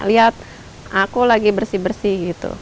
lihat aku lagi bersih bersih gitu